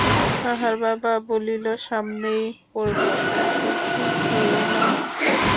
তাহার বাবা বলিল, সামনেই পড়বে এখন, চলো না।